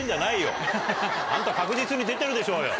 あんた確実に出てるでしょうよ。